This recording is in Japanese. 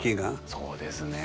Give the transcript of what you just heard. そうですね。